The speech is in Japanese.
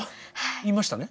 言いましたね？